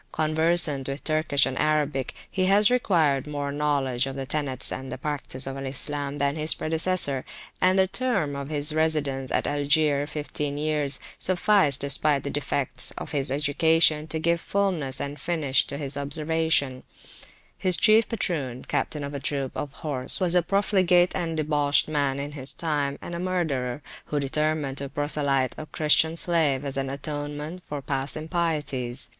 Conversant with Turkish and Arabic, he has acquired more knowledge of the tenets and practice of Al Islam than his predecessor, and the term of his residence at Algier, fifteen years, sufficed, despite the defects of his education, to give fulness and finish to his observations. His chief patroon, captain of a troop of [p.359] horse, was a profligate and debauched man in his time, and a murderer, who determined to proselyte a Christian slave as an atonement for past impieties.